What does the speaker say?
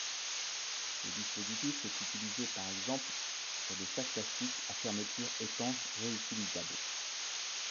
Ce dispositif est utilisé par exemple sur des sacs plastiques à fermeture étanche réutilisables.